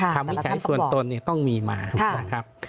คำวินัยฉัยส่วนตนเนี่ยต้องมีมาครับ